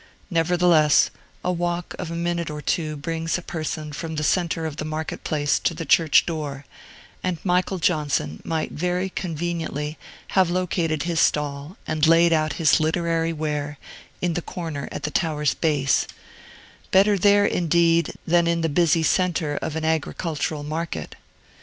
Nevertheless, a walk of a minute or two brings a person from the centre of the market place to the church door; and Michael Johnson might very conveniently have located his stall and laid out his literary ware in the corner at the tower's base; better there, indeed, than in the busy centre of an agricultural market.